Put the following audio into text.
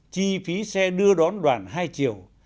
chi phí xe đưa đón đoàn hai chiều